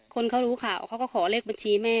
คนเขารู้ข่าวเขาก็ขอเลขบัญชีแม่